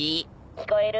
「聞こえる？」